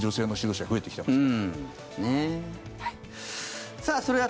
女性の指導者増えてきてますから。